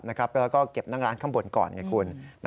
แล้วก็เก็บนั่งร้านข้างบนก่อนไงคุณ